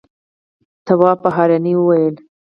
تواب په حيرانۍ وويل: